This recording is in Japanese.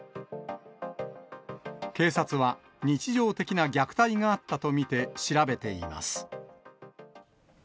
警察は、日常的な虐待があったと見て調べています。